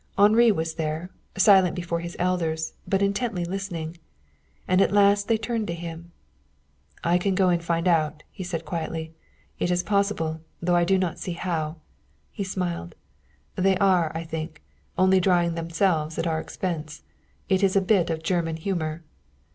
Henri was there, silent before his elders, but intently listening. And at last they turned to him. "I can go and find out," he said quietly. "It is possible, though I do not see how." He smiled. "They are, I think, only drying themselves at our expense. It is a bit of German humor."